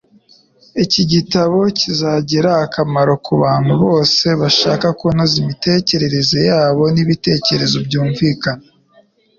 Iki gitabo kizagira akamaro kubantu bose bashaka kunoza imitekerereze yabo nibitekerezo byumvikana.